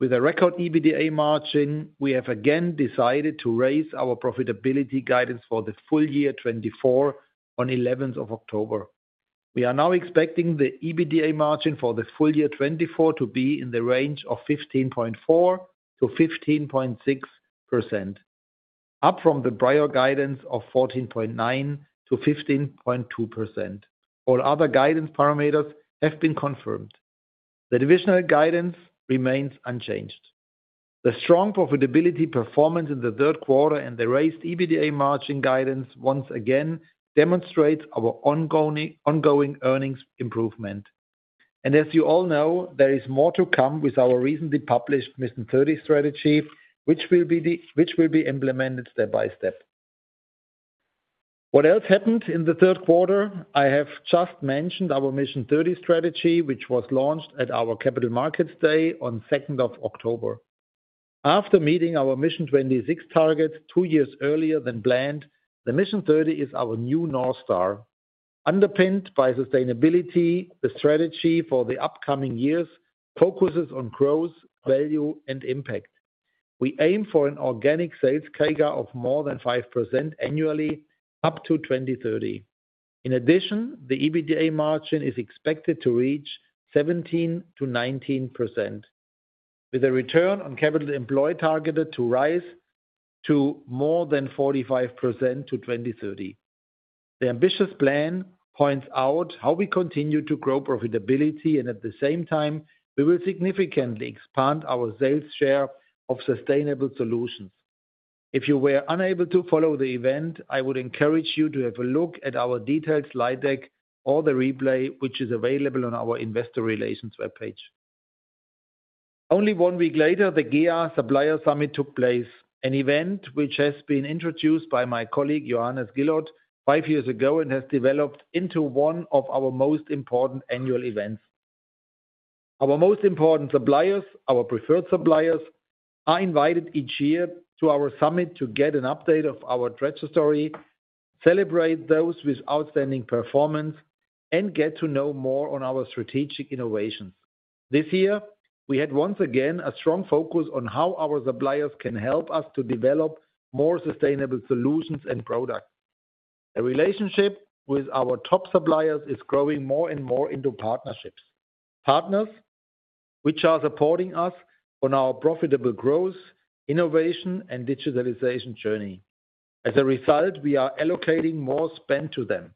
With a record EBITDA margin, we have again decided to raise our profitability guidance for the full year 2024 on 11th of October. We are now expecting the EBITDA margin for the full year 2024 to be in the range of 15.4%-15.6%, up from the prior guidance of 14.9%-15.2%. All other guidance parameters have been confirmed. The divisional guidance remains unchanged. The strong profitability performance in the third quarter and the raised EBITDA margin guidance once again demonstrate our ongoing earnings improvement, and as you all know, there is more to come with our recently published Mission 30 strategy, which will be implemented step by step. What else happened in the third quarter? I have just mentioned our Mission 30 strategy, which was launched at our Capital Markets Day on 2nd of October. After meeting our Mission 26 targets two years earlier than planned, the Mission 30 is our new North Star. Underpinned by sustainability, the strategy for the upcoming years focuses on growth, value, and impact. We aim for an organic sales CAGR of more than 5% annually up to 2030. In addition, the EBITDA margin is expected to reach 17%-19%, with a return on capital employed targeted to rise to more than 45% to 2030. The ambitious plan points out how we continue to grow profitability, and at the same time, we will significantly expand our sales share of sustainable solutions. If you were unable to follow the event, I would encourage you to have a look at our detailed slide deck or the replay, which is available on our Investor Relations webpage. Only one week later, the GEA Supplier Summit took place, an event which has been introduced by my colleague Johannes Giloth five years ago and has developed into one of our most important annual events. Our most important suppliers, our preferred suppliers, are invited each year to our summit to get an update of our trajectory, celebrate those with outstanding performance, and get to know more on our strategic innovations. This year, we had once again a strong focus on how our suppliers can help us to develop more sustainable solutions and products. The relationship with our top suppliers is growing more and more into partnerships, partners which are supporting us on our profitable growth, innovation, and digitalization journey. As a result, we are allocating more spend to them.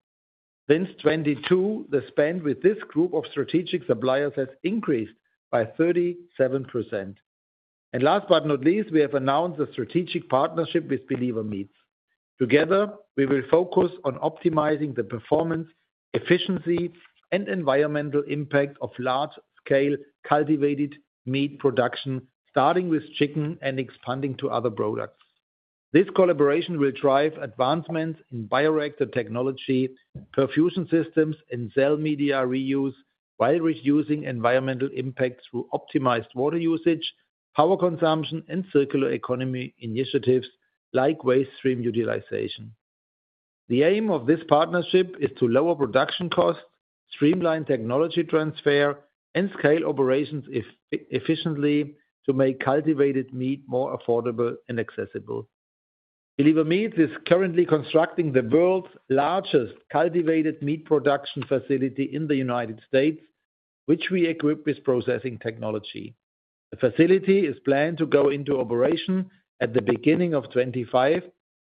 Since 2022, the spend with this group of strategic suppliers has increased by 37%. Last but not least, we have announced a strategic partnership with Believer Meats. Together, we will focus on optimizing the performance, efficiency, and environmental impact of large-scale cultivated meat production, starting with chicken and expanding to other products. This collaboration will drive advancements in bioreactor technology, perfusion systems, and cell media reuse while reducing environmental impact through optimized water usage, power consumption, and circular economy initiatives like waste stream utilization. The aim of this partnership is to lower production costs, streamline technology transfer, and scale operations efficiently to make cultivated meat more affordable and accessible. Believer Meats is currently constructing the world's largest cultivated meat production facility in the United States, which we equip with processing technology. The facility is planned to go into operation at the beginning of 2025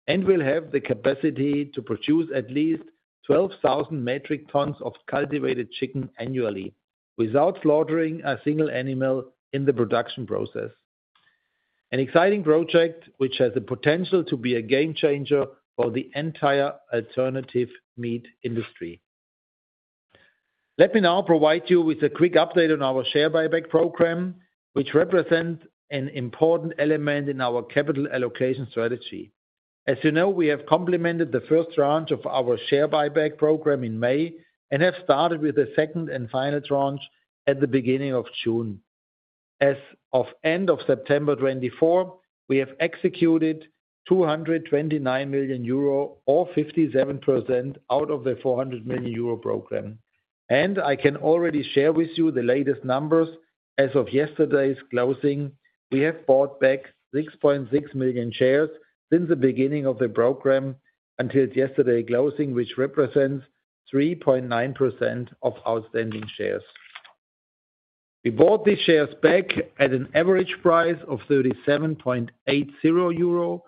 and will have the capacity to produce at least 12,000 metric tons of cultivated chicken annually without slaughtering a single animal in the production process. An exciting project which has the potential to be a game changer for the entire alternative meat industry. Let me now provide you with a quick update on our share buyback program, which represents an important element in our capital allocation strategy. As you know, we have completed the first tranche of our share buyback program in May and have started with the second and final tranche at the beginning of June. As of end of September 2024, we have executed 229 million euro or 57% out of the 400 million euro program, and I can already share with you the latest numbers. As of yesterday's closing, we have bought back 6.6 million shares since the beginning of the program until yesterday's closing, which represents 3.9% of outstanding shares. We bought these shares back at an average price of 37.80 euro,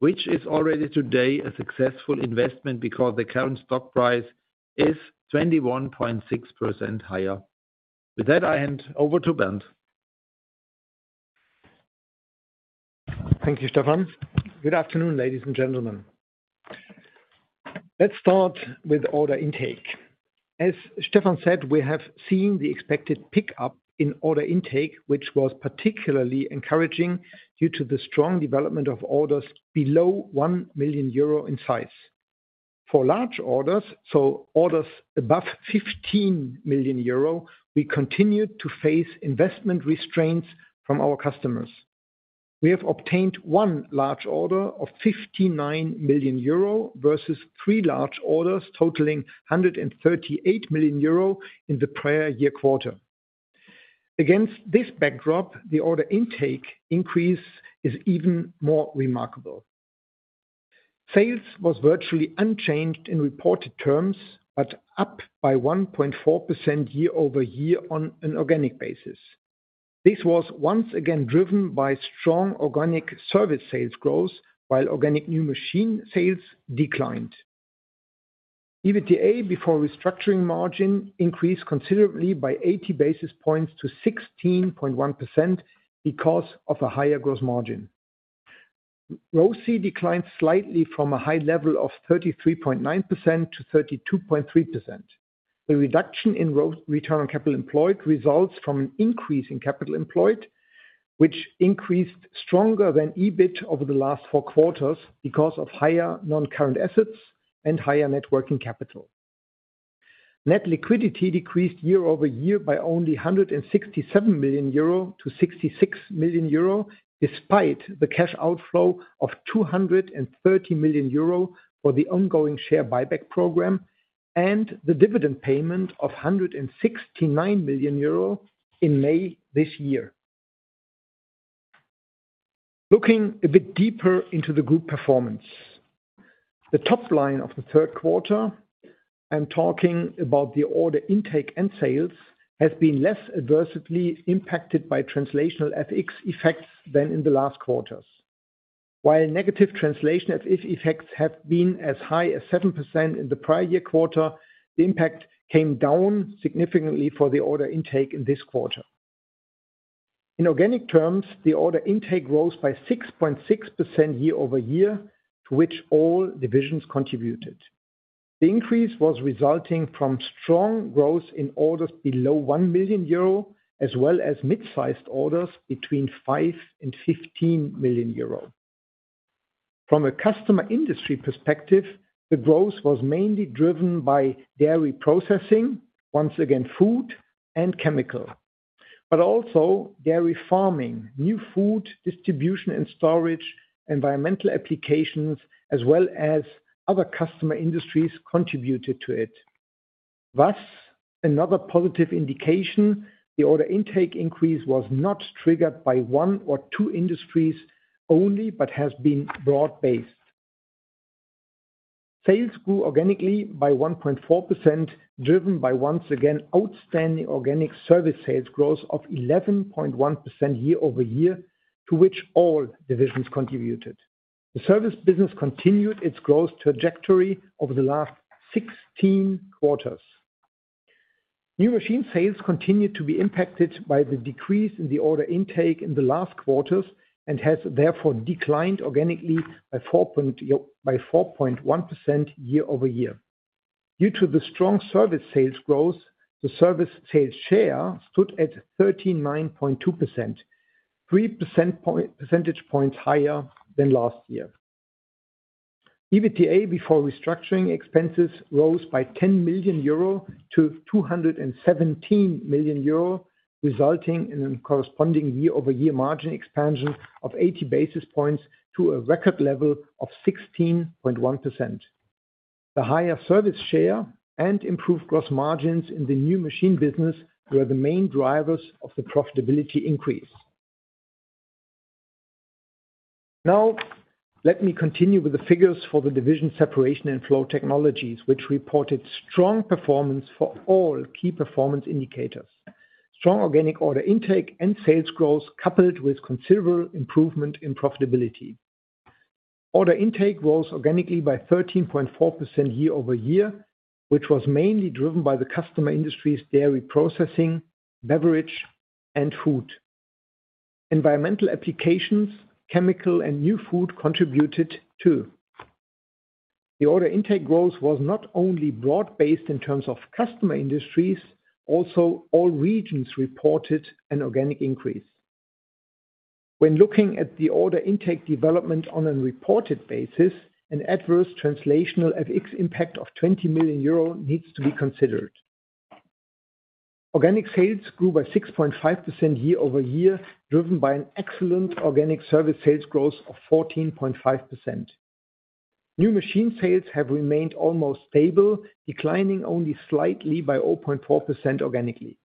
which is already today a successful investment because the current stock price is 21.6% higher. With that, I hand over to Bernd. Thank you, Stefan. Good afternoon, ladies and gentlemen. Let's start with order intake. As Stefan said, we have seen the expected pickup in order intake, which was particularly encouraging due to the strong development of orders below 1 million euro in size. For large orders, so orders above 15 million euro, we continued to face investment restraints from our customers. We have obtained one large order of 59 million euro versus three large orders totaling 138 million euro in the prior year quarter. Against this backdrop, the order intake increase is even more remarkable. Sales was virtually unchanged in reported terms but up by 1.4% year-over-year on an organic basis. This was once again driven by strong organic service sales growth while organic new machine sales declined. EBITDA before restructuring margin increased considerably by 80 basis points to 16.1% because of a higher gross margin. ROCE declined slightly from a high level of 33.9% to 32.3%. The reduction in return on capital employed results from an increase in capital employed, which increased stronger than EBIT over the last four quarters because of higher non-current assets and higher net working capital. Net liquidity decreased year-over-year by only 167 million euro to 66 million euro despite the cash outflow of 230 million euro for the ongoing share buyback program and the dividend payment of 169 million euro in May this year. Looking a bit deeper into the group performance, the top line of the third quarter, I'm talking about the order intake and sales, has been less adversely impacted by translational FX effects than in the last quarters. While negative translation effects have been as high as 7% in the prior year quarter, the impact came down significantly for the order intake in this quarter. In organic terms, the order intake rose by 6.6% year-over-year, to which all divisions contributed. The increase was resulting from strong growth in orders below 1 million euro as well as mid-sized orders between 5 million and 15 million euro. From a customer industry perspective, the growth was mainly driven by dairy processing, once again food and chemical, but also dairy farming, new food distribution and storage, environmental applications, as well as other customer industries contributed to it. Thus, another positive indication, the order intake increase was not triggered by one or two industries only but has been broad-based. Sales grew organically by 1.4%, driven by once again outstanding organic service sales growth of 11.1% year-over-year, to which all divisions contributed. The service business continued its growth trajectory over the last 16 quarters. New machine sales continued to be impacted by the decrease in the order intake in the last quarters and has therefore declined organically by 4.1% year-over-year. Due to the strong service sales growth, the service sales share stood at 39.2%, 3 percentage points higher than last year. EBITDA before restructuring expenses rose by 10 million euro to 217 million euro, resulting in a corresponding year-over-year margin expansion of 80 basis points to a record level of 16.1%. The higher service share and improved gross margins in the new machine business were the main drivers of the profitability increase. Now, let me continue with the figures for the division Separation and Flow Technologies, which reported strong performance for all key performance indicators. Strong organic order intake and sales growth coupled with considerable improvement in profitability. Order intake rose organically by 13.4% year-over-year, which was mainly driven by the customer industries' dairy processing, beverage, and food. Environmental applications, chemical, and new food contributed too. The order intake growth was not only broad-based in terms of customer industries, also all regions reported an organic increase. When looking at the order intake development on a reported basis, an adverse translational FX impact of 20 million euro needs to be considered. Organic sales grew by 6.5% year-over-year, driven by an excellent organic service sales growth of 14.5%. New machine sales have remained almost stable, declining only slightly by 0.4% organically.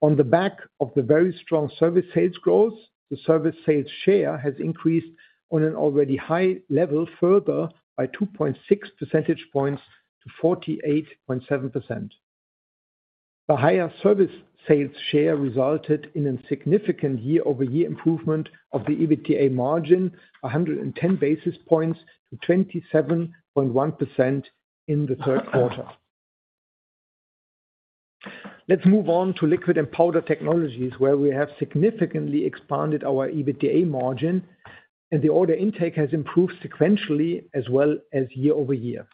On the back of the very strong service sales growth, the service sales share has increased on an already high level further by 2.6 percentage points to 48.7%. The higher service sales share resulted in a significant year-over-year improvement of the EBITDA margin, 110 basis points to 27.1% in the third quarter. Let's move on to Liquid and Powder Technologies, where we have significantly expanded our EBITDA margin, and the order intake has improved sequentially as well as year-over-year.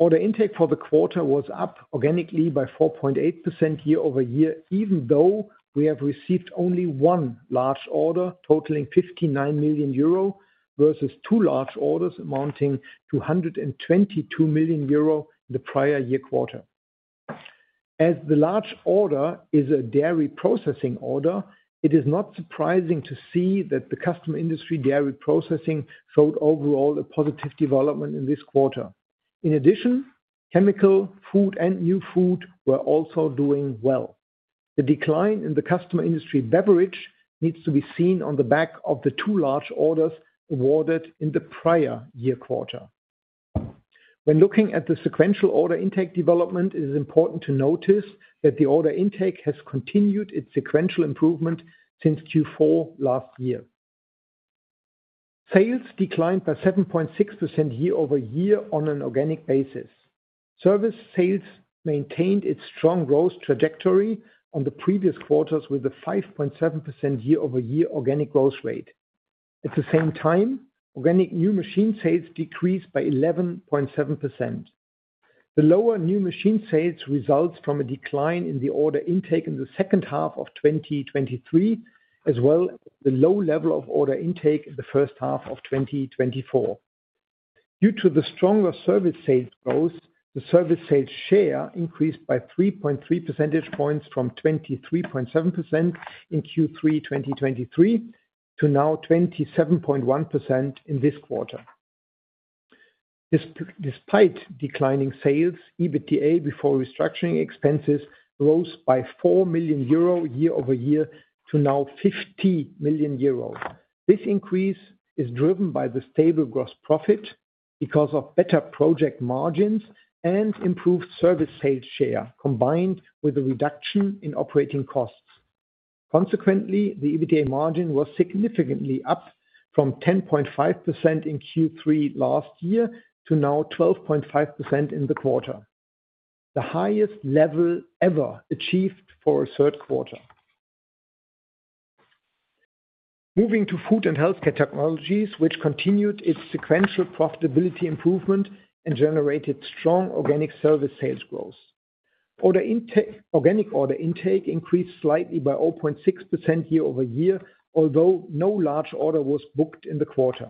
Order intake for the quarter was up organically by 4.8% year-over-year, even though we have received only one large order totaling 59 million euro versus two large orders amounting to 122 million euro in the prior year quarter. As the large order is a dairy processing order, it is not surprising to see that the customer industry dairy processing showed overall a positive development in this quarter. In addition, chemical, food, and new food were also doing well. The decline in the customer industry beverage needs to be seen on the back of the two large orders awarded in the prior year quarter. When looking at the sequential order intake development, it is important to notice that the order intake has continued its sequential improvement since Q4 last year. Sales declined by 7.6% year-over-year on an organic basis. Service sales maintained its strong growth trajectory on the previous quarters with a 5.7% year-over-year organic growth rate. At the same time, organic new machine sales decreased by 11.7%. The lower new machine sales results from a decline in the order intake in the second half of 2023, as well as the low level of order intake in the first half of 2024. Due to the stronger service sales growth, the service sales share increased by 3.3 percentage points from 23.7% in Q3 2023 to now 27.1% in this quarter. Despite declining sales, EBITDA before restructuring expenses rose by 4 million euro year-over-year to now 50 million euro. This increase is driven by the stable gross profit because of better project margins and improved service sales share combined with a reduction in operating costs. Consequently, the EBITDA margin was significantly up from 10.5% in Q3 last year to now 12.5% in the quarter, the highest level ever achieved for a third quarter. Moving to Food and Healthcare Technologies, which continued its sequential profitability improvement and generated strong organic service sales growth. Organic order intake increased slightly by 0.6% year-over-year, although no large order was booked in the quarter.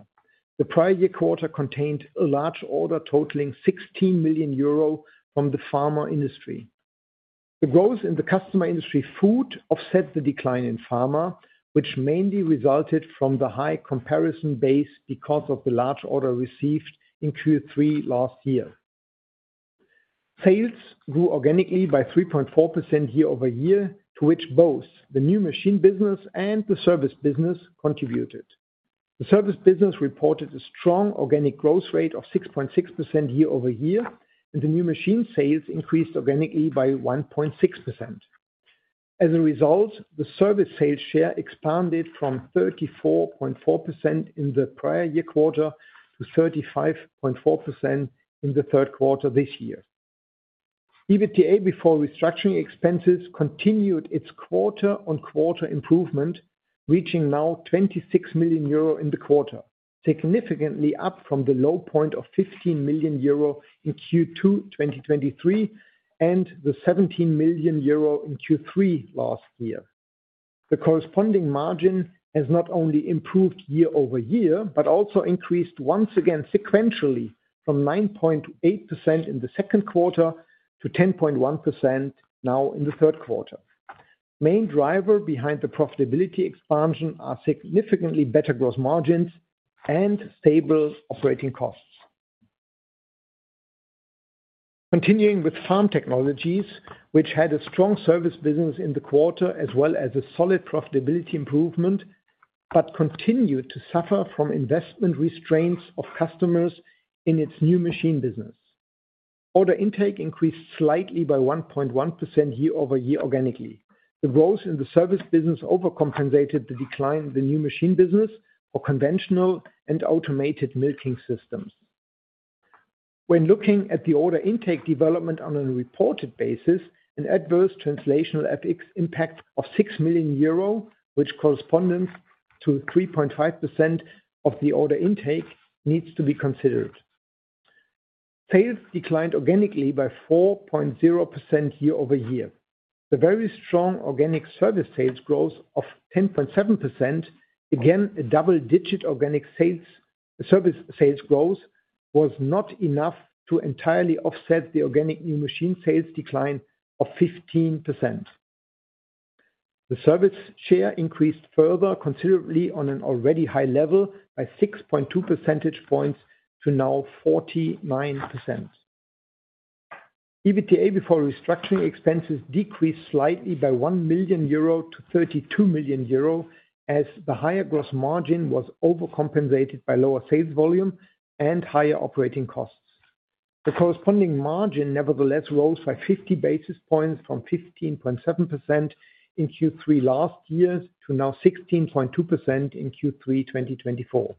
The prior year quarter contained a large order totaling 16 million euro from the pharma industry. The growth in the customer industry food offset the decline in pharma, which mainly resulted from the high comparison base because of the large order received in Q3 last year. Sales grew organically by 3.4% year-over-year, to which both the new machine business and the service business contributed. The service business reported a strong organic growth rate of 6.6% year-over-year, and the new machine sales increased organically by 1.6%. As a result, the service sales share expanded from 34.4% in the prior year quarter to 35.4% in the third quarter this year. EBITDA before restructuring expenses continued its quarter-on-quarter improvement, reaching now 26 million euro in the quarter, significantly up from the low point of 15 million euro in Q2 2023 and the 17 million euro in Q3 last year. The corresponding margin has not only improved year-over-year but also increased once again sequentially from 9.8% in the second quarter to 10.1% now in the third quarter. Main driver behind the profitability expansion are significantly better gross margins and stable operating costs. Continuing with Farm Technologies, which had a strong service business in the quarter as well as a solid profitability improvement but continued to suffer from investment restraints of customers in its new machine business. Order intake increased slightly by 1.1% year-over-year organically. The growth in the service business overcompensated the decline in the new machine business for conventional and automated milking systems. When looking at the order intake development on a reported basis, an adverse translational FX impact of 6 million euro, which corresponds to 3.5% of the order intake, needs to be considered. Sales declined organically by 4.0% year-over-year. The very strong organic service sales growth of 10.7%, again a double-digit organic service sales growth, was not enough to entirely offset the organic new machine sales decline of 15%. The service share increased further considerably on an already high level by 6.2 percentage points to now 49%. EBITDA before restructuring expenses decreased slightly by 1 million euro to 32 million euro as the higher gross margin was overcompensated by lower sales volume and higher operating costs. The corresponding margin nevertheless rose by 50 basis points from 15.7% in Q3 last year to now 16.2% in Q3 2024.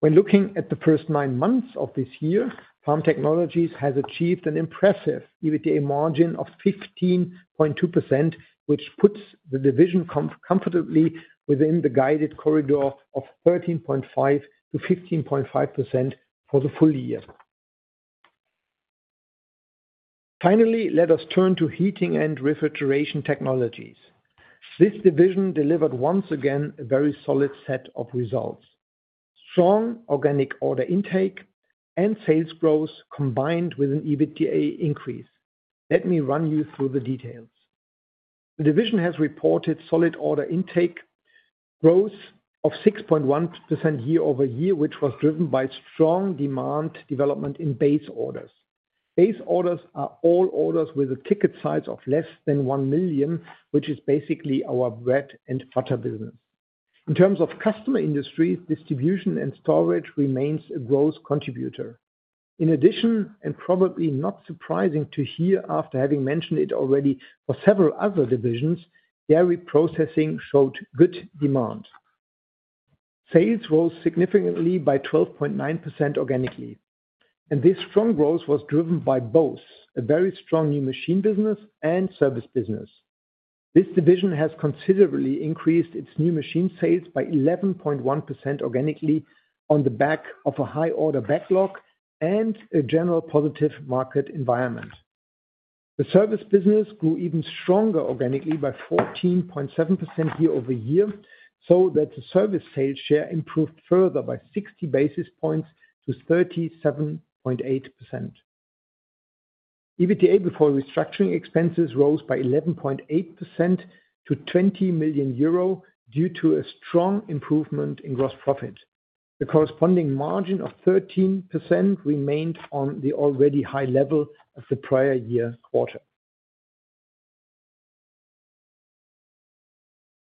When looking at the first nine months of this year, Farm Technologies has achieved an impressive EBITDA margin of 15.2%, which puts the division comfortably within the guided corridor of 13.5%-15.5% for the full year. Finally, let us turn to Heating and Refrigeration Technologies. This division delivered once again a very solid set of results: strong organic order intake and sales growth combined with an EBITDA increase. Let me run you through the details. The division has reported solid order intake growth of 6.1% year-over-year, which was driven by strong demand development in base orders. Base orders are all orders with a ticket size of less than 1 million, which is basically our bread and butter business. In terms of customer industry, distribution and storage remains a growth contributor. In addition, and probably not surprising to hear after having mentioned it already for several other divisions, dairy processing showed good demand. Sales rose significantly by 12.9% organically. And this strong growth was driven by both a very strong new machine business and service business. This division has considerably increased its new machine sales by 11.1% organically on the back of a high order backlog and a general positive market environment. The service business grew even stronger organically by 14.7% year-over-year, so that the service sales share improved further by 60 basis points to 37.8%. EBITDA before restructuring expenses rose by 11.8% to 20 million euro due to a strong improvement in gross profit. The corresponding margin of 13% remained on the already high level of the prior year quarter.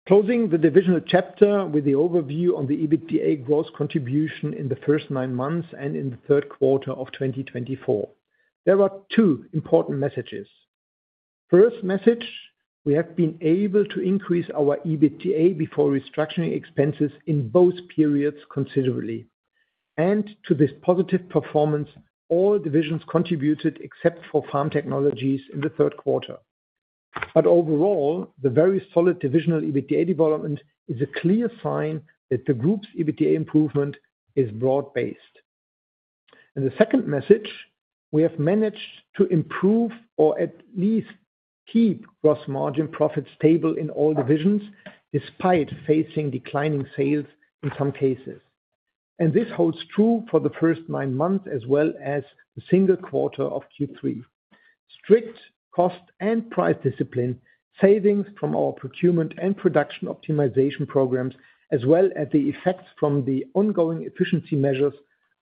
Closing the divisional chapter with the overview on the EBITDA growth contribution in the first nine months and in the third quarter of 2024, there are two important messages. First message: we have been able to increase our EBITDA before restructuring expenses in both periods considerably. And to this positive performance, all divisions contributed except for Farm Technologies in the third quarter. But overall, the very solid divisional EBITDA development is a clear sign that the group's EBITDA improvement is broad-based. And the second message: we have managed to improve or at least keep gross margin profit stable in all divisions despite facing declining sales in some cases. And this holds true for the first nine months as well as the single quarter of Q3. Strict cost and price discipline, savings from our procurement and production optimization programs, as well as the effects from the ongoing efficiency measures,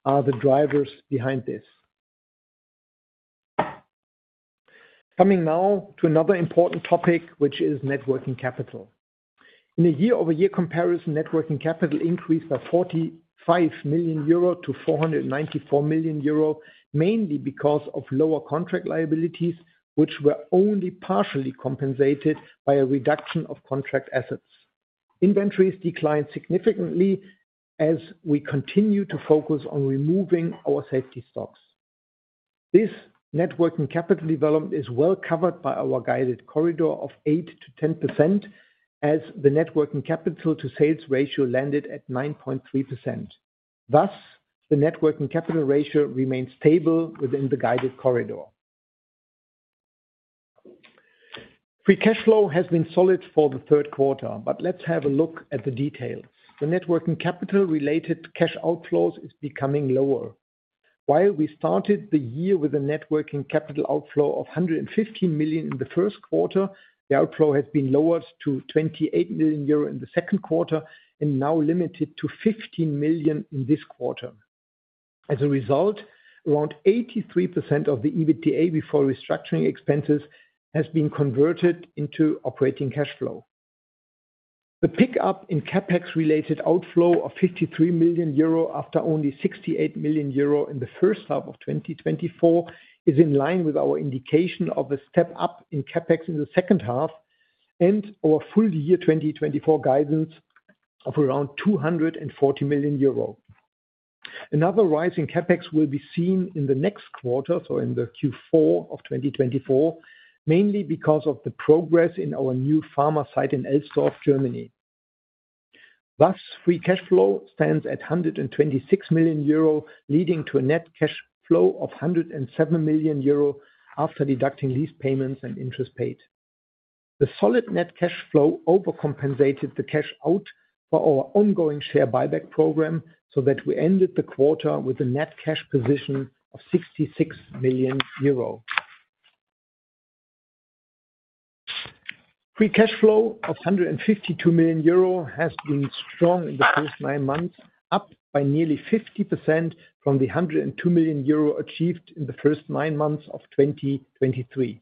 are the drivers behind this. Coming now to another important topic, which is net working capital. In a year-over-year comparison, net working capital increased by 45 million euro to 494 million euro, mainly because of lower contract liabilities, which were only partially compensated by a reduction of contract assets. Inventories declined significantly as we continue to focus on removing our safety stocks. This net working capital development is well covered by our guided corridor of 8%-10%, as the net working capital to sales ratio landed at 9.3%. Thus, the net working capital ratio remains stable within the guided corridor. Free cash flow has been solid for the third quarter, but let's have a look at the details. The net working capital-related cash outflows are becoming lower. While we started the year with a net working capital outflow of 115 million in the first quarter, the outflow has been lowered to 28 million euro in the second quarter and now limited to 15 million in this quarter. As a result, around 83% of the EBITDA before restructuring expenses has been converted into operating cash flow. The pickup in CapEx-related outflow of 53 million euro after only 68 million euro in the first half of 2024 is in line with our indication of a step up in CapEx in the second half and our full year 2024 guidance of around 240 million euro. Another rise in CapEx will be seen in the next quarter, so in Q4 of 2024, mainly because of the progress in our new pharma site in Elsdorf, Germany. Thus, free cash flow stands at 126 million euro, leading to a net cash flow of 107 million euro after deducting lease payments and interest paid. The solid net cash flow overcompensated the cash out for our ongoing share buyback program so that we ended the quarter with a net cash position of 66 million euro. Free cash flow of 152 million euro has been strong in the first nine months, up by nearly 50% from the 102 million euro achieved in the first nine months of 2023.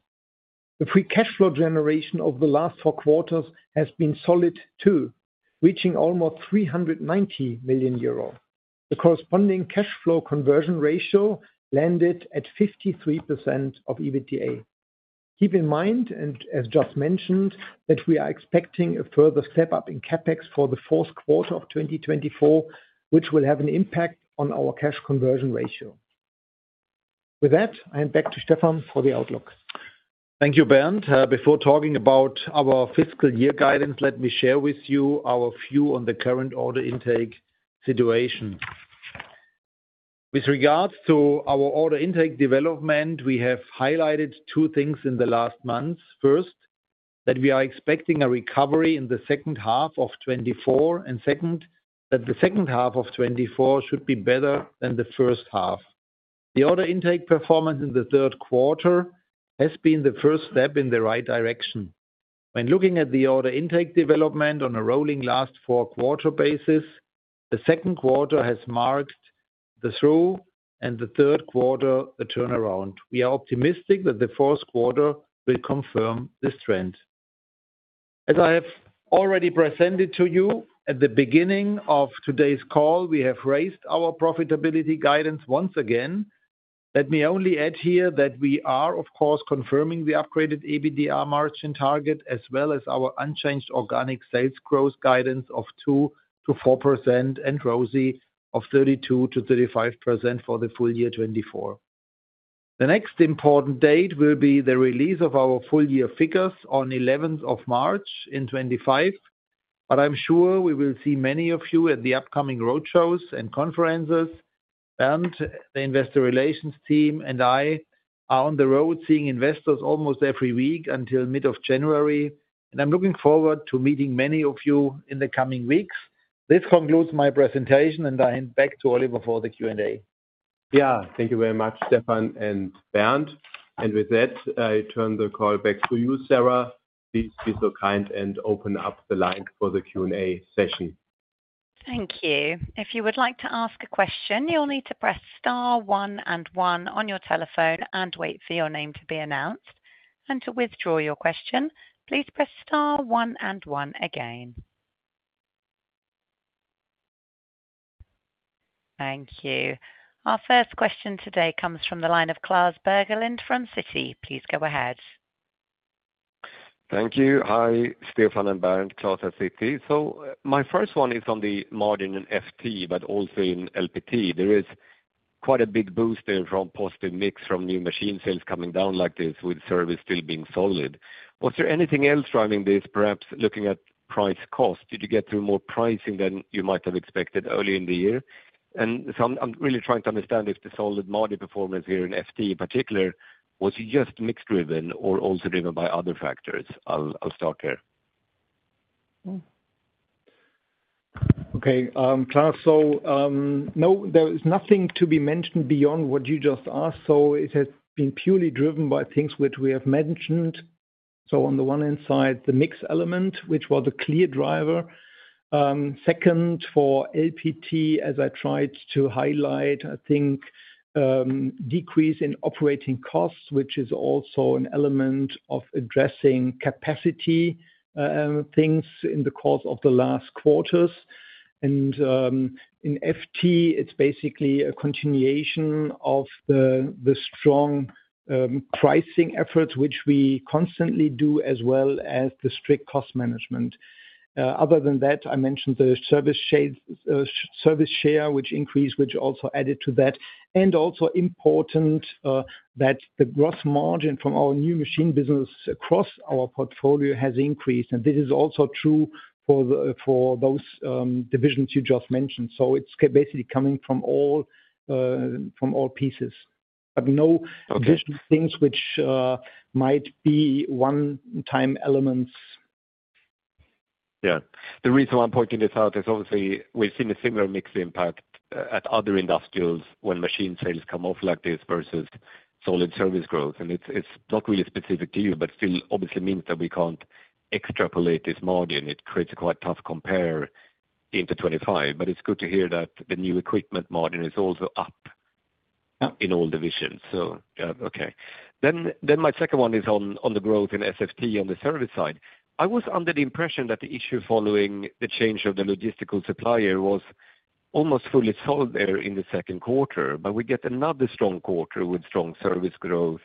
The free cash flow generation over the last four quarters has been solid too, reaching almost 390 million euro. The corresponding cash flow conversion ratio landed at 53% of EBITDA. Keep in mind, and as just mentioned, that we are expecting a further step up in CapEx for the fourth quarter of 2024, which will have an impact on our cash conversion ratio. With that, I hand back to Stefan for the outlook. Thank you, Bernd. Before talking about our fiscal year guidance, let me share with you our view on the current order intake situation. With regards to our order intake development, we have highlighted two things in the last months. First, that we are expecting a recovery in the second half of 2024, and second, that the second half of 2024 should be better than the first half. The order intake performance in the third quarter has been the first step in the right direction. When looking at the order intake development on a rolling last four-quarter basis, the second quarter has marked the trough and the third quarter the turnaround. We are optimistic that the fourth quarter will confirm this trend. As I have already presented to you at the beginning of today's call, we have raised our profitability guidance once again. Let me only add here that we are, of course, confirming the upgraded EBITDA margin target as well as our unchanged organic sales growth guidance of 2%-4% and ROCE of 32%-35% for the full year 2024. The next important date will be the release of our full year figures on 11th of March in 2025, but I'm sure we will see many of you at the upcoming roadshows and conferences. Bernd, the investor relations team, and I are on the road seeing investors almost every week until mid of January, and I'm looking forward to meeting many of you in the coming weeks. This concludes my presentation, and I hand back to Oliver for the Q&A. Yeah, thank you very much, Stefan and Bernd. And with that, I turn the call back to you, Sarah. Please be so kind and open up the line for the Q&A session. Thank you. If you would like to ask a question, you'll need to press star one and one on your telephone and wait for your name to be announced. And to withdraw your question, please press star one and one again. Thank you. Our first question today comes from the line of Klas Bergelind from Citi. Please go ahead. Thank you. Hi, Stefan and Bernd, Klas at Citi. So my first one is on the margin in FT, but also in LPT. There is quite a big boost in from positive mix from new machine sales coming down like this with service still being solid. Was there anything else driving this, perhaps looking at price cost? Did you get through more pricing than you might have expected earlier in the year? And so I'm really trying to understand if the solid margin performance here in FT in particular was just mixed-driven or also driven by other factors. I'll start there. Okay, Klas. So no, there is nothing to be mentioned beyond what you just asked. So it has been purely driven by things which we have mentioned. So on the one hand side, the mix element, which was a clear driver. Second, for LPT, as I tried to highlight, I think decrease in operating costs, which is also an element of addressing capacity things in the course of the last quarters. And in FT, it's basically a continuation of the strong pricing efforts, which we constantly do, as well as the strict cost management. Other than that, I mentioned the service share, which increased, which also added to that. And also important that the gross margin from our new machine business across our portfolio has increased. And this is also true for those divisions you just mentioned. So it's basically coming from all pieces, but no additional things which might be one-time elements. Yeah. The reason why I'm pointing this out is obviously we've seen a similar mixed impact at other industrials when machine sales come off like this versus solid service growth, and it's not really specific to you, but still obviously means that we can't extrapolate this margin. It creates a quite tough compare into 2025, but it's good to hear that the new equipment margin is also up in all divisions, so yeah, okay, then my second one is on the growth in SFT on the service side. I was under the impression that the issue following the change of the logistical supplier was almost fully solved there in the second quarter, but we get another strong quarter with strong service growth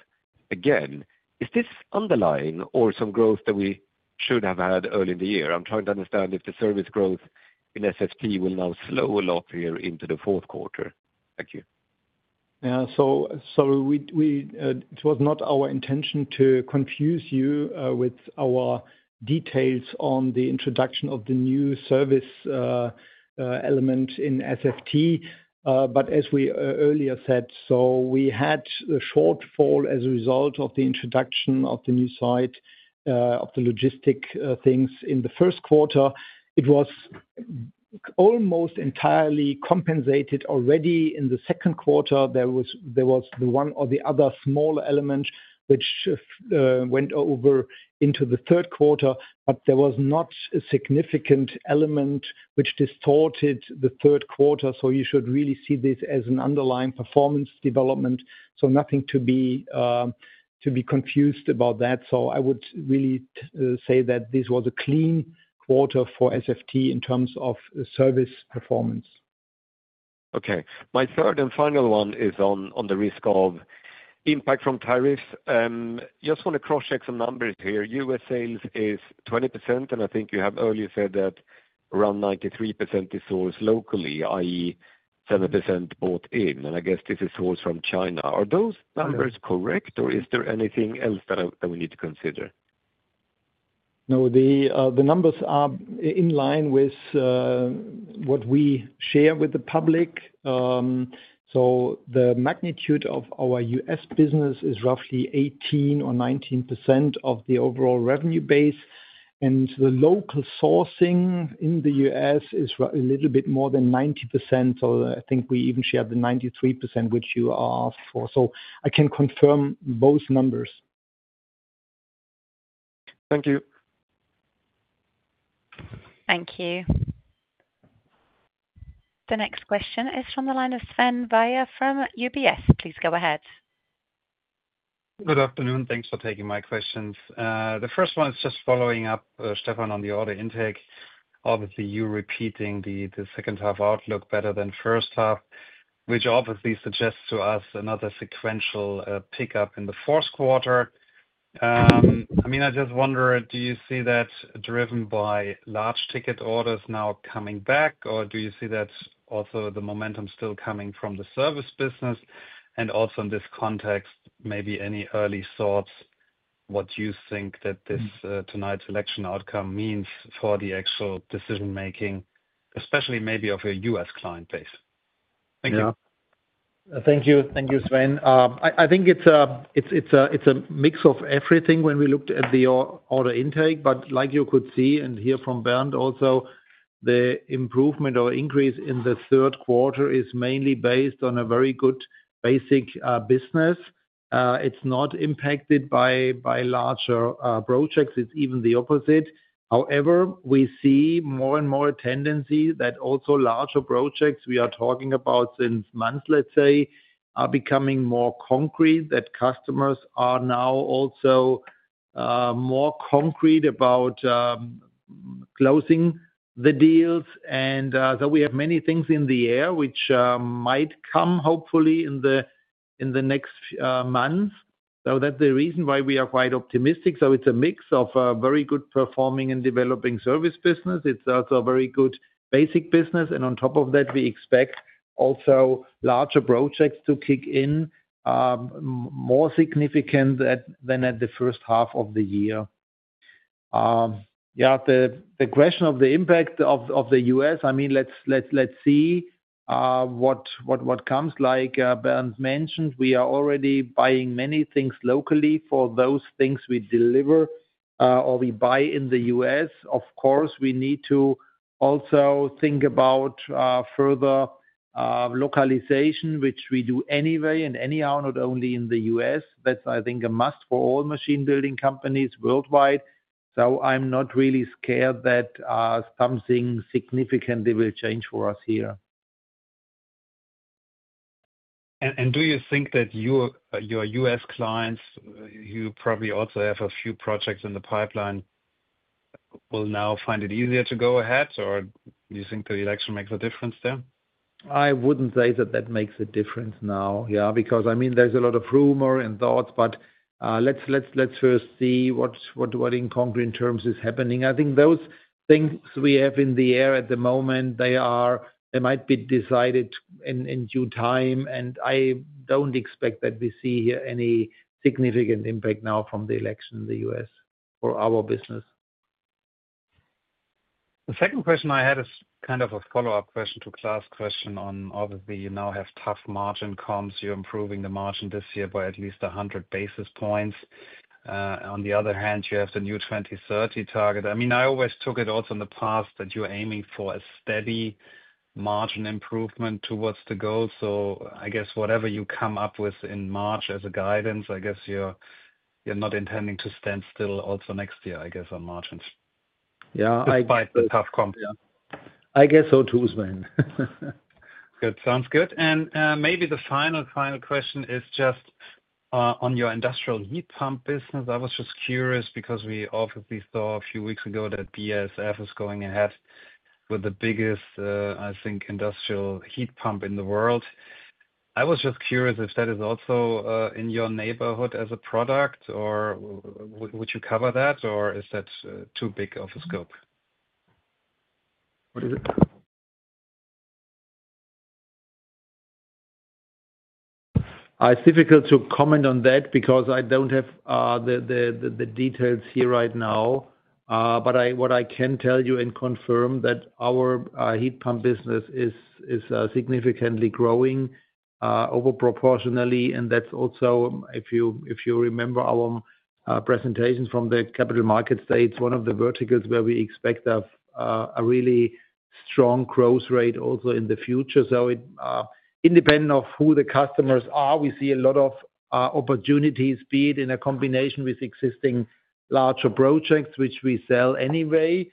again. Is this underlying or some growth that we should have had early in the year? I'm trying to understand if the service growth in SFT will now slow a lot here into the fourth quarter. Thank you. Yeah. So it was not our intention to confuse you with our details on the introduction of the new service element in SFT. But as we earlier said, so we had the shortfall as a result of the introduction of the new side of the logistic things in the first quarter. It was almost entirely compensated already in the second quarter. There was the one or the other small element which went over into the third quarter, but there was not a significant element which distorted the third quarter. So you should really see this as an underlying performance development. So nothing to be confused about that. So I would really say that this was a clean quarter for SFT in terms of service performance. Okay. My third and final one is on the risk of impact from tariffs. Just want to cross-check some numbers here. U.S. sales is 20%, and I think you have earlier said that around 93% is sourced locally, i.e., 7% bought in. And I guess this is sourced from China. Are those numbers correct, or is there anything else that we need to consider? No, the numbers are in line with what we share with the public. So the magnitude of our U.S. business is roughly 18% or 19% of the overall revenue base. And the local sourcing in the U.S. is a little bit more than 90%. So I think we even share the 93% which you asked for. So I can confirm both numbers. Thank you. Thank you. The next question is from the line of Sven Weier from UBS. Please go ahead. Good afternoon. Thanks for taking my questions. The first one is just following up, Stefan, on the order intake. Obviously, you repeating the second half outlook better than first half, which obviously suggests to us another sequential pickup in the fourth quarter. I mean, I just wonder, do you see that driven by large ticket orders now coming back, or do you see that also the momentum still coming from the service business? And also in this context, maybe any early thoughts, what do you think that tonight's election outcome means for the actual decision-making, especially maybe of a U.S. client base? Thank you. Thank you. Thank you, Sven. I think it's a mix of everything when we looked at the order intake. But like you could see and hear from Bernd also, the improvement or increase in the third quarter is mainly based on a very good basic business. It's not impacted by larger projects. It's even the opposite. However, we see more and more tendency that also larger projects we are talking about since months, let's say, are becoming more concrete, that customers are now also more concrete about closing the deals, and so we have many things in the air which might come, hopefully, in the next months, so that's the reason why we are quite optimistic, so it's a mix of a very good performing and developing service business. It's also a very good basic business, and on top of that, we expect also larger projects to kick in more significant than at the first half of the year. Yeah, the question of the impact of the U.S., I mean, let's see what comes. Like Bernd mentioned, we are already buying many things locally for those things we deliver or we buy in the U.S. Of course, we need to also think about further localization, which we do anyway and anyhow, not only in the U.S. That's, I think, a must for all machine building companies worldwide. So I'm not really scared that something significantly will change for us here. And do you think that your U.S. clients, who probably also have a few projects in the pipeline, will now find it easier to go ahead, or do you think the election makes a difference there? I wouldn't say that that makes a difference now, yeah, because, I mean, there's a lot of rumor and thoughts, but let's first see what in concrete terms is happening. I think those things we have in the air at the moment, they might be decided in due time. I don't expect that we see here any significant impact now from the election in the U.S. for our business. The second question I had is kind of a follow-up question to Klas' question on obviously you now have tough margin comps. You're improving the margin this year by at least 100 basis points. On the other hand, you have the new 2030 target. I mean, I always took it also in the past that you're aiming for a steady margin improvement towards the goal. So I guess whatever you come up with in March as a guidance, I guess you're not intending to stand still also next year, I guess, on margins. Yeah, I guess so too, Sven. Good. Sounds good. Maybe the final, final question is just on your industrial heat pump business. I was just curious because we obviously saw a few weeks ago that BASF is going ahead with the biggest, I think, industrial heat pump in the world. I was just curious if that is also in your neighborhood as a product, or would you cover that, or is that too big of a scope? It's difficult to comment on that because I don't have the details here right now, but what I can tell you and confirm that our heat pump business is significantly growing overproportionally, and that's also, if you remember our presentation from the Capital Markets Day, one of the verticals where we expect a really strong growth rate also in the future. So independent of who the customers are, we see a lot of opportunities, be it in a combination with existing larger projects, which we sell anyway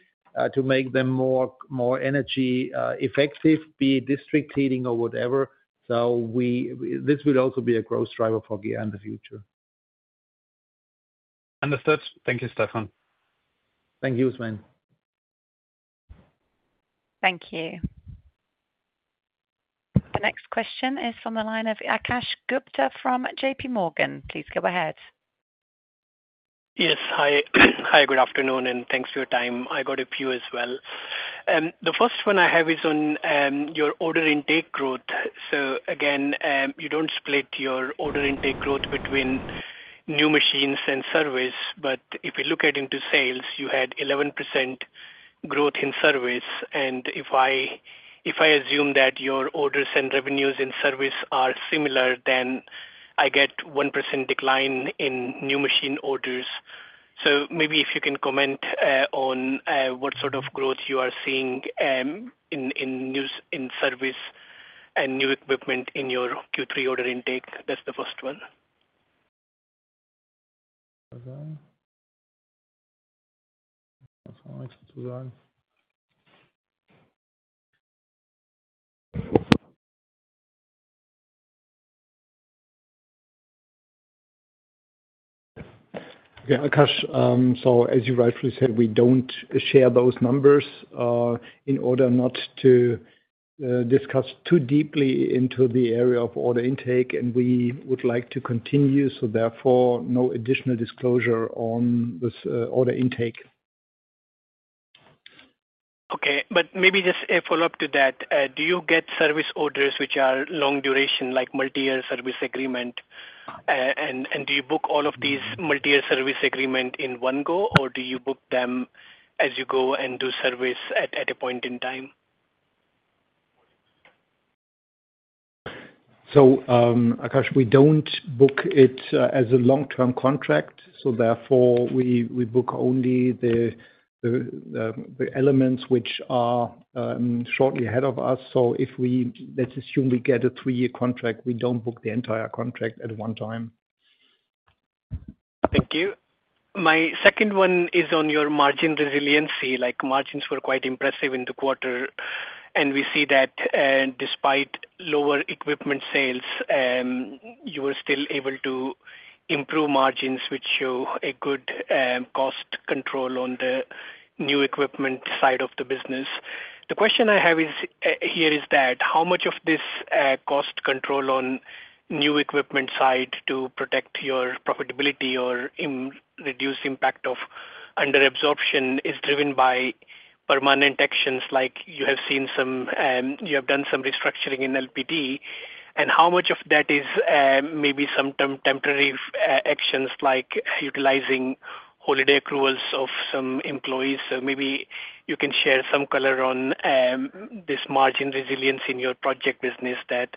to make them more energy effective, be it district heating or whatever. So this will also be a growth driver for GEA in the future. Understood. Thank you, Stefan. Thank you, Sven. Thank you. The next question is from the line of Akash Gupta from JPMorgan. Please go ahead. Yes. Hi, good afternoon, and thanks for your time. I got a few as well. The first one I have is on your order intake growth. So again, you don't split your order intake growth between new machines and service. But if you look at into sales, you had 11% growth in service. And if I assume that your orders and revenues in service are similar, then I get 1% decline in new machine orders. So maybe if you can comment on what sort of growth you are seeing in service and new equipment in your Q3 order intake, that's the first one. Okay, Akash, so as you rightfully said, we don't share those numbers in order not to discuss too deeply into the area of order intake, and we would like to continue. So therefore, no additional disclosure on this order intake. Okay. But maybe just a follow-up to that. Do you get service orders which are long duration, like multi-year service agreement? And do you book all of these multi-year service agreement in one go, or do you book them as you go and do service at a point in time? So Akash, we don't book it as a long-term contract. So therefore, we book only the elements which are shortly ahead of us. So let's assume we get a three-year contract. We don't book the entire contract at one time. Thank you. My second one is on your margin resiliency. Margins were quite impressive in the quarter, and we see that despite lower equipment sales, you were still able to improve margins, which show a good cost control on the new equipment side of the business. The question I have here is that how much of this cost control on new equipment side to protect your profitability or reduce impact of underabsorption is driven by permanent actions like you have seen some you have done some restructuring in LPT? And how much of that is maybe some temporary actions like utilizing holiday accruals of some employees? So maybe you can share some color on this margin resilience in your project business, that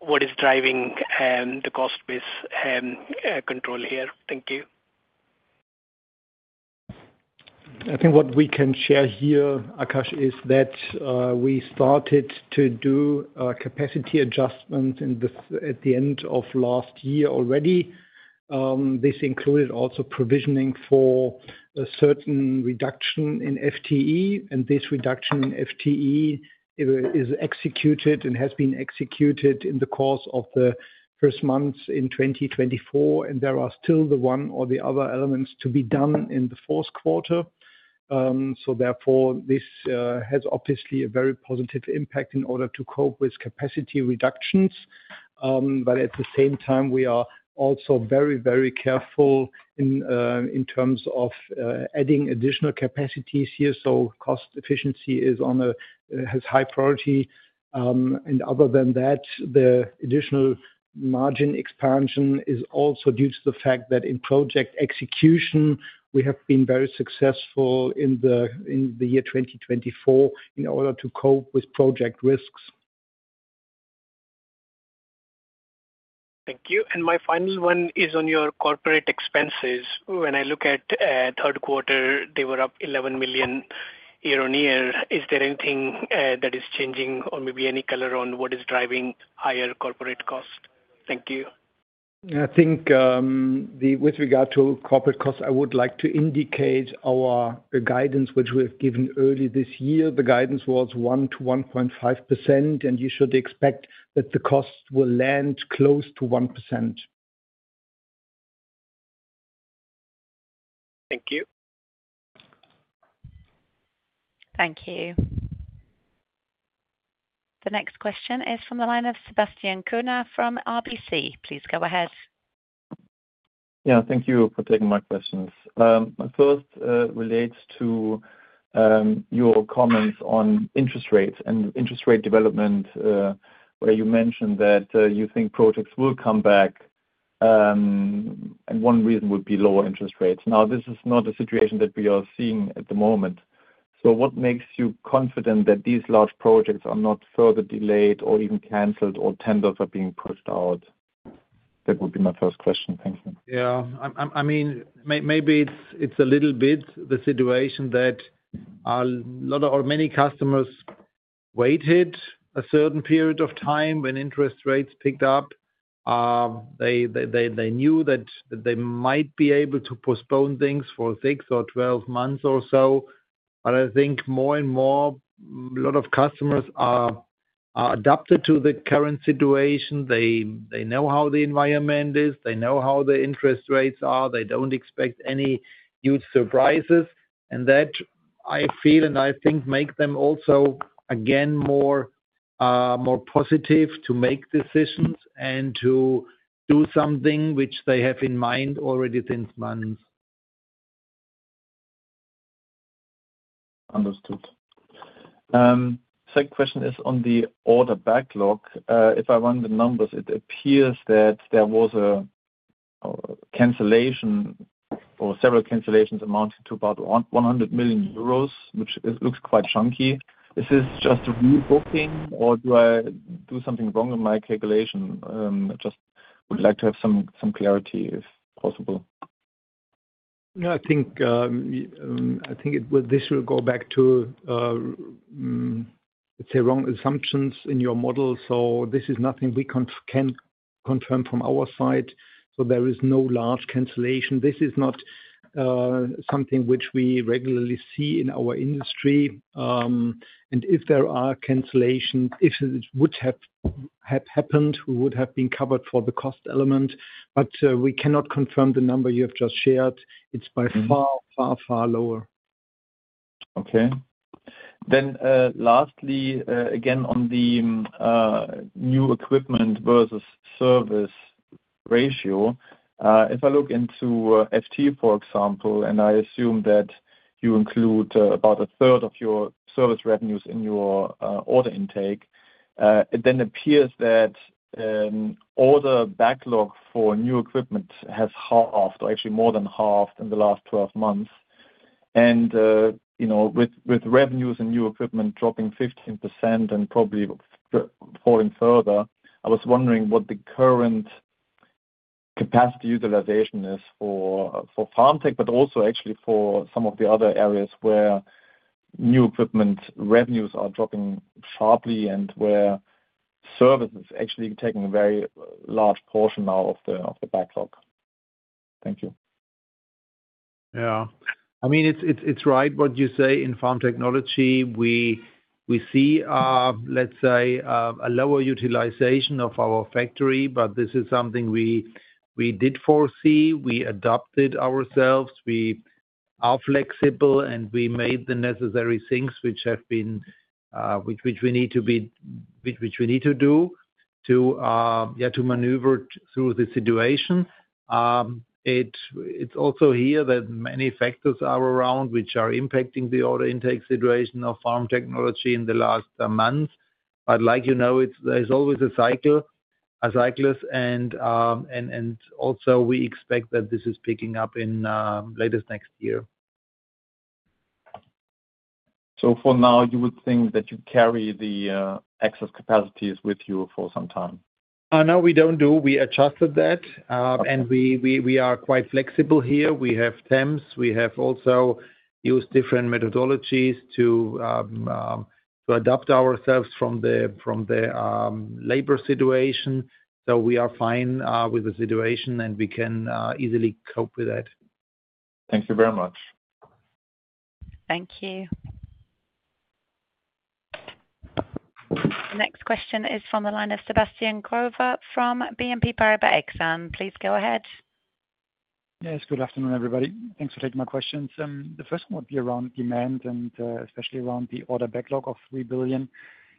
what is driving the cost-based control here? Thank you. I think what we can share here, Akash, is that we started to do capacity adjustments at the end of last year already. This included also provisioning for a certain reduction in FTE. And this reduction in FTE is executed and has been executed in the course of the first months in 2024. And there are still the one or the other elements to be done in the fourth quarter. So therefore, this has obviously a very positive impact in order to cope with capacity reductions. But at the same time, we are also very, very careful in terms of adding additional capacities here. So cost efficiency has high priority. And other than that, the additional margin expansion is also due to the fact that in project execution, we have been very successful in the year 2024 in order to cope with project risks. Thank you. And my final one is on your corporate expenses. When I look at third quarter, they were up 11 million year on year. Is there anything that is changing or maybe any color on what is driving higher corporate cost? Thank you. I think with regard to corporate costs, I would like to indicate our guidance, which we have given early this year. The guidance was 1%-1.5%, and you should expect that the cost will land close to 1%. Thank you. Thank you. The next question is from the line of Sebastian Kuenne from RBC. Please go ahead. Yeah, thank you for taking my questions. My first relates to your comments on interest rates and interest rate development, where you mentioned that you think projects will come back, and one reason would be lower interest rates. Now, this is not a situation that we are seeing at the moment. So what makes you confident that these large projects are not further delayed or even canceled or tenders are being pushed out? That would be my first question. Thank you. Yeah. I mean, maybe it's a little bit the situation that a lot or many customers waited a certain period of time when interest rates picked up. They knew that they might be able to postpone things for 6 or 12 months or so. But I think more and more, a lot of customers are adapted to the current situation. They know how the environment is. They know how the interest rates are. They don't expect any huge surprises. And that, I feel, and I think makes them also, again, more positive to make decisions and to do something which they have in mind already since months. Understood. Second question is on the order backlog. If I run the numbers, it appears that there was a cancellation or several cancellations amounting to about 100 million euros, which looks quite chunky. Is this just rebooking, or do I do something wrong in my calculation? I just would like to have some clarity if possible. No, I think this will go back to, let's say, wrong assumptions in your model. So this is nothing we can confirm from our side. So there is no large cancellation. This is not something which we regularly see in our industry. And if there are cancellations, if it would have happened, we would have been covered for the cost element. But we cannot confirm the number you have just shared. It's by far, far, far lower. Okay. Then lastly, again, on the new equipment versus service ratio, if I look into FTE, for example, and I assume that you include about a third of your service revenues in your order intake, it then appears that order backlog for new equipment has halved or actually more than halved in the last 12 months. And with revenues and new equipment dropping 15% and probably falling further, I was wondering what the current capacity utilization is for Farm Technologies, but also actually for some of the other areas where new equipment revenues are dropping sharply and where service is actually taking a very large portion now of the backlog. Thank you. Yeah. I mean, it's right what you say in Farm Technologies. We see, let's say, a lower utilization of our factory, but this is something we did foresee. We adapted ourselves. We are flexible, and we made the necessary things which we need to be which we need to do to maneuver through the situation. It's also here that many factors are around which are impacting the order intake situation of Farm Technologies in the last months. But like you know, there's always a cycle, a cycle. And also, we expect that this is picking up in latest next year. So for now, you would think that you carry the excess capacities with you for some time? No, we don't do. We adjusted that, and we are quite flexible here. We have temps. We have also used different methodologies to adapt ourselves from the labor situation. So we are fine with the situation, and we can easily cope with that. Thank you very much. Thank you. The next question is from the line of Sebastian Growe from BNP Paribas Exane. Please go ahead. Yes. Good afternoon, everybody. Thanks for taking my questions. The first one would be around demand and especially around the order backlog of 3 billion.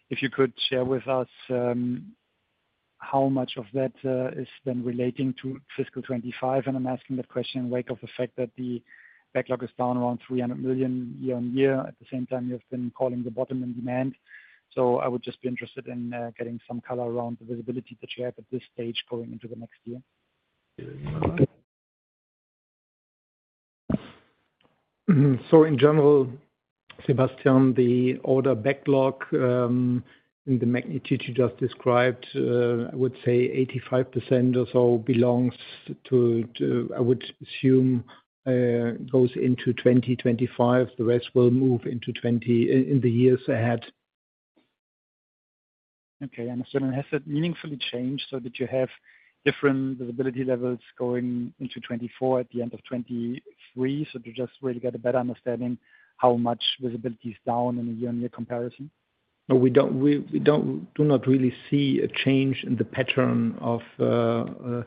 If you could share with us how much of that is then relating to fiscal 2025. And I'm asking that question in wake of the fact that the backlog is down around 300 million year-on-year. At the same time, you have been calling the bottom in demand. So I would just be interested in getting some color around the visibility that you have at this stage going into the next year. So in general, Sebastian, the order backlog in the magnitude you just described, I would say 85% or so belongs to, I would assume, goes into 2025. The rest will move in the years ahead. Okay. Understood. And has that meaningfully changed? So did you have different visibility levels going into 2024 at the end of 2023? So to just really get a better understanding how much visibility is down in a year-on-year comparison? No, we do not really see a change in the pattern of the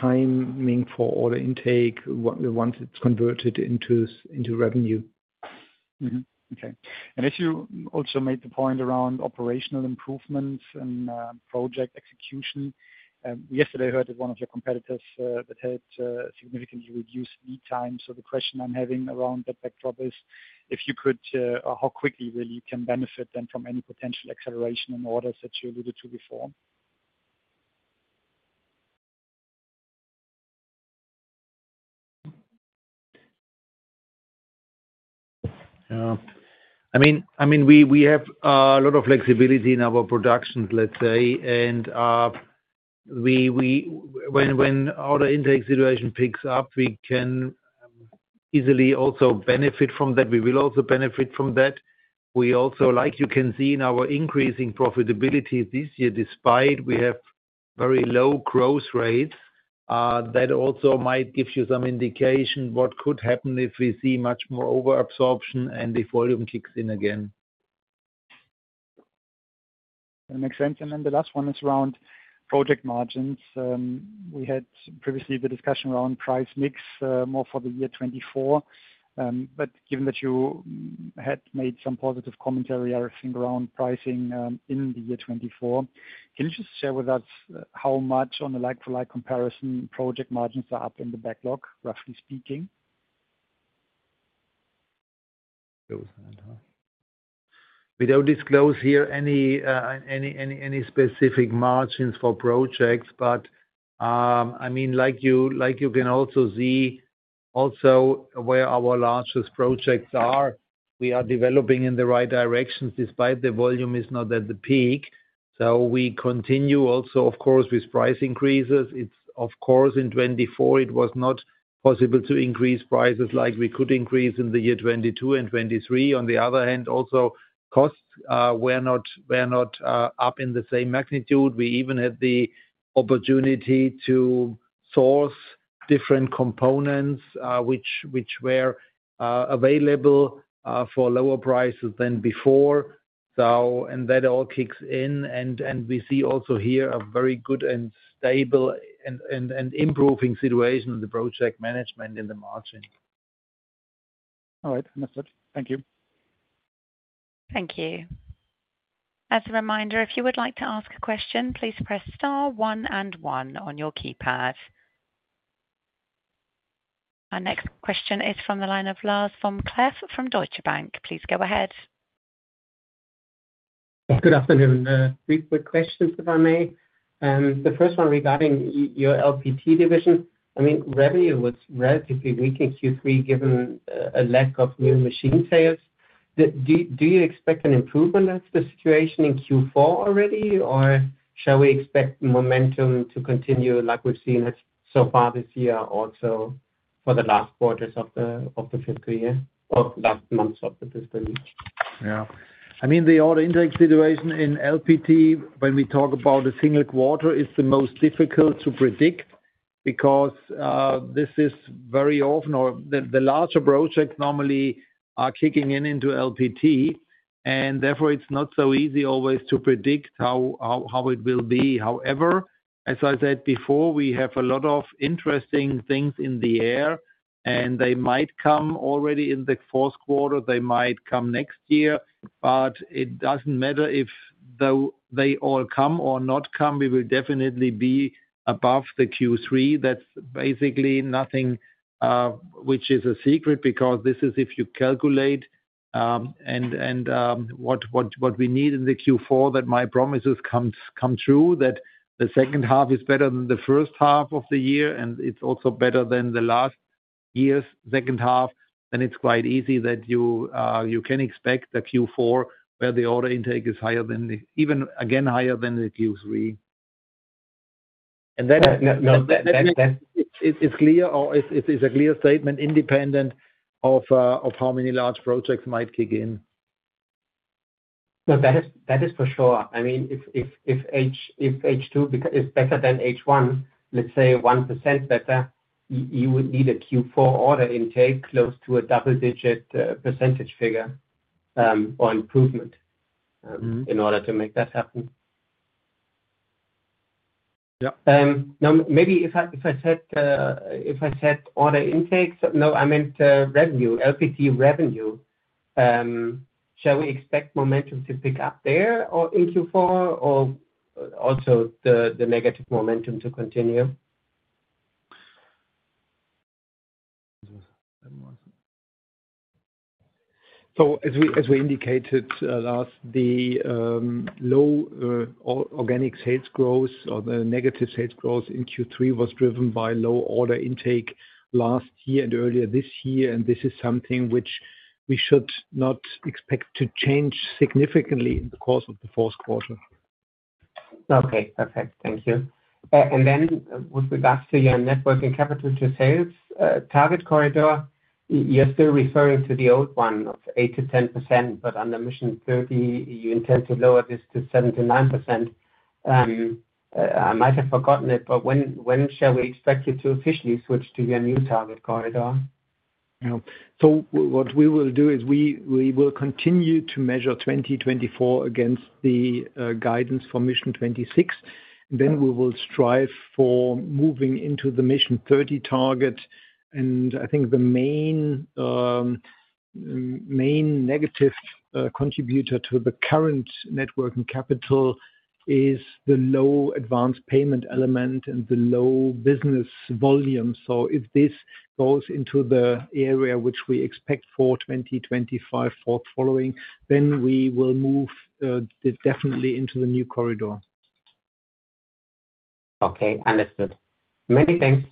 timing for order intake once it's converted into revenue. Okay. And as you also made the point around operational improvements and project execution, yesterday I heard that one of your competitors that had significantly reduced lead time. So the question I'm having around that backdrop is if you could, how quickly really can benefit then from any potential acceleration in orders that you alluded to before? Yeah. I mean, we have a lot of flexibility in our productions, let's say. And when order intake situation picks up, we can easily also benefit from that. We will also benefit from that. We also, like you can see in our increasing profitability this year, despite we have very low growth rates, that also might give you some indication what could happen if we see much more overabsorption and if volume kicks in again. That makes sense. And then the last one is around project margins. We had previously the discussion around price mix more for the year 2024. But given that you had made some positive commentary, I think, around pricing in the year 2024, can you just share with us how much on a like-for-like comparison project margins are up in the backlog, roughly speaking? Without disclosing here any specific margins for projects. But I mean, like you can see where our largest projects are, we are developing in the right direction despite the volume is not at the peak. So we continue also, of course, with price increases. It's, of course, in 2024. It was not possible to increase prices like we could increase in the year 2022 and 2023. On the other hand, also costs were not up in the same magnitude. We even had the opportunity to source different components which were available for lower prices than before. And that all kicks in. We see also here a very good and stable and improving situation in the project management in the margin. All right. Understood. Thank you. Thank you. As a reminder, if you would like to ask a question, please press star, one, and one on your keypad. Our next question is from the line of Lars Vom-Cleff from Deutsche Bank. Please go ahead. Good afternoon. Three quick questions, if I may. The first one regarding your LPT division. I mean, revenue was relatively weak in Q3 given a lack of new machine sales. Do you expect an improvement of the situation in Q4 already, or shall we expect momentum to continue like we've seen so far this year also for the last quarters of the fiscal year or last months of the fiscal year? Yeah. I mean, the order intake situation in LPT, when we talk about a single quarter, is the most difficult to predict because this is very often or the larger projects normally are kicking in into LPT. And therefore, it's not so easy always to predict how it will be. However, as I said before, we have a lot of interesting things in the air, and they might come already in the fourth quarter. They might come next year. But it doesn't matter if they all come or not come. We will definitely be above the Q3. That's basically nothing which is a secret because this is if you calculate and what we need in the Q4 that my promises come true that the second half is better than the first half of the year, and it's also better than the last year's second half, then it's quite easy that you can expect that Q4 where the order intake is higher than even again higher than the Q3, and then it's clear or it's a clear statement independent of how many large projects might kick in. That is for sure. I mean, if H2 is better than H1, let's say 1% better, you would need a Q4 order intake close to a double-digit percentage figure or improvement in order to make that happen. Now, maybe if I said order intake, no, I meant revenue, LPT revenue. Shall we expect momentum to pick up there in Q4 or also the negative momentum to continue? So as we indicated last, the low organic sales growth or the negative sales growth in Q3 was driven by low order intake last year and earlier this year. And this is something which we should not expect to change significantly in the course of the fourth quarter. Okay. Perfect. Thank you. And then with regards to your net working capital to sales target corridor, you're still referring to the old one of 8%-10%, but under Mission 30, you intend to lower this to 7%-9%. I might have forgotten it, but when shall we expect you to officially switch to your new target corridor? So what we will do is we will continue to measure 2024 against the guidance for Mission 26. Then we will strive for moving into the Mission 30 target. And I think the main negative contributor to the current net working capital is the low advance payment element and the low business volume. So if this goes into the area which we expect for 2025, thereafter, then we will move definitely into the new corridor. Okay. Understood. Many thanks.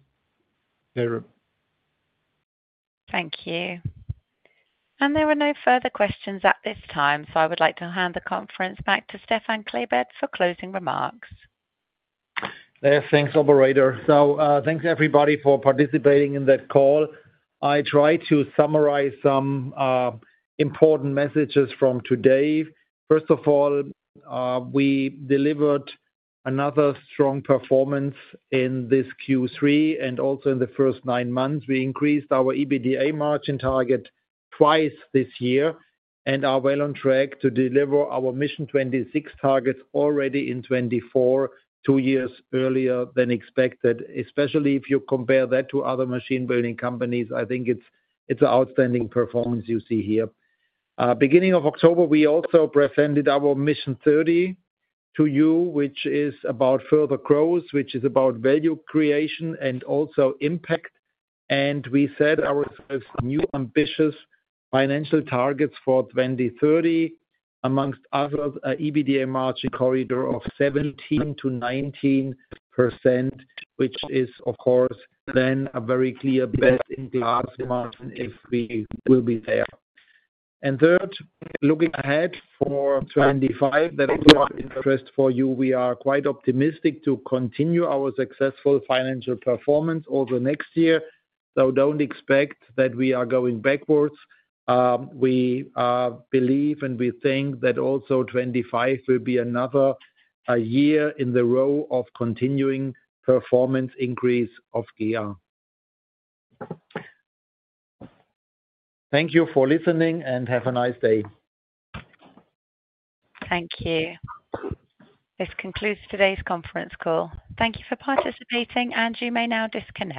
Thank you. And there were no further questions at this time, so I would like to hand the conference back to Stefan Klebert for closing remarks. Thanks, operator. So thanks, everybody, for participating in that call. I tried to summarize some important messages from today. First of all, we delivered another strong performance in this Q3 and also in the first nine months. We increased our EBITDA margin target twice this year and are well on track to deliver our Mission 26 targets already in 2024, two years earlier than expected, especially if you compare that to other machine-building companies. I think it's an outstanding performance you see here. Beginning of October, we also presented our Mission 30 to you, which is about further growth, which is about value creation and also impact. And we set ourselves new ambitious financial targets for 2030, amongst others, an EBITDA margin corridor of 17%-19%, which is, of course, then a very clear best-in-class margin if we will be there. And third, looking ahead for 2025, that is our interest for you. We are quite optimistic to continue our successful financial performance also next year. So don't expect that we are going backwards. We believe and we think that also 2025 will be another year in a row of continuing performance increase of GEA. Thank you for listening and have a nice day. Thank you. This concludes today's conference call. Thank you for participating, and you may now disconnect.